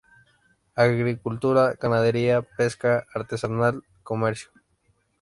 Agricultura, ganadería, pesca artesanal comercio.